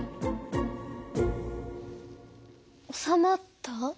おさまった？